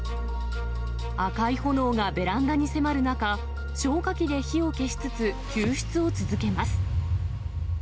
赤い炎がベランダに迫る中、消火器で火を消しつつ、救出を続けます。